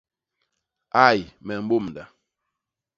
Ai me mbômda.